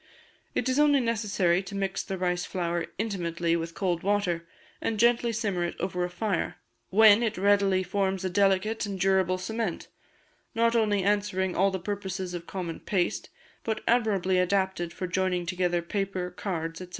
It is only necessary to mix the rice flour intimately with cold water, and gently simmer it over a fire, when it readily forms a delicate and durable cement, not only answering all the purposes of common paste, but admirably adapted for joining together paper, cards, &c.